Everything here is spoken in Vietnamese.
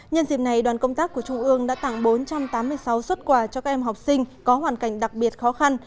nhân dịp này đoàn công tác của trung ương đã tặng bốn trăm tám mươi sáu xuất quà cho các em học sinh có hoàn cảnh đặc biệt khó khăn